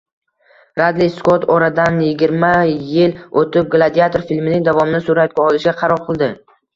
Ridli Skott oradanyigirmayil o‘tib Gladiator filmining davomini suratga olishga qaror qildi